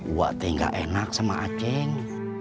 wak tinggal enak sama aceng